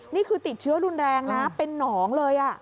นี่คือติดเชื้อรุนแรงนะเป็นหนองเลย